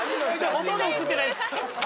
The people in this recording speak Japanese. ほとんど映ってない。